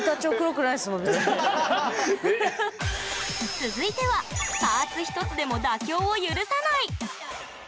続いてはパーツ１つでも妥協を許さない！